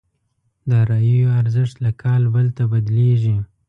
داراییو ارزښت له کال بل ته بدلېږي.